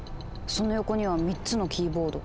その横には３つのキーボード。